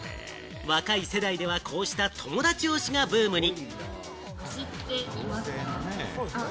若い世代ではこうした友達推しがブームに。